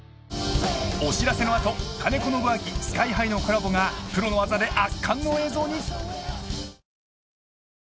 ［お知らせの後金子ノブアキＳＫＹ−ＨＩのコラボがプロの技で圧巻の映像に］